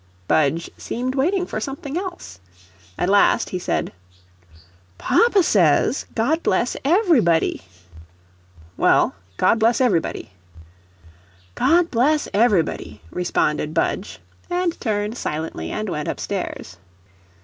Budge seemed waiting for something else. At last he said: "Papa says, 'God bless everybody.'" "Well, God bless everybody." "God bless everybody," responded Budge, and turned silently and went up stairs.